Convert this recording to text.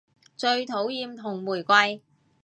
最討厭紅玫瑰